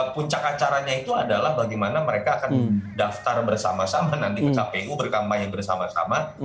puncak acaranya itu adalah bagaimana mereka akan daftar bersama sama nanti ke kpu berkampanye bersama sama